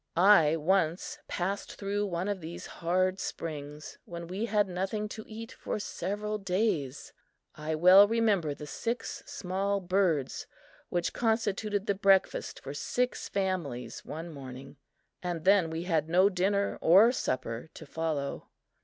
I once passed through one of these hard springs when we had nothing to eat for several days. I well remember the six small birds which constituted the breakfast for six families one morning; and then we had no dinner or supper to follow!